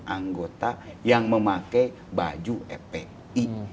anggota yang memakai baju fpi